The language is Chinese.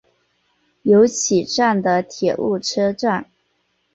由岐站的铁路车站。